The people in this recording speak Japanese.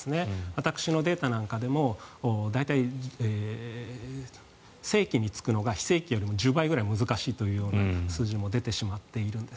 私のデータなんかでも大体正規に就くのが非正規よりも１０倍ぐらい難しいという数字が出てしまっている。